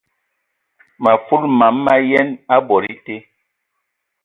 Mə fulu mam ma yian a bod été.